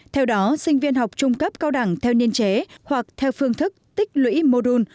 theo đó sinh viên học trung cấp cao đẳng theo niên chế hoặc theo phương thức tích lũy môn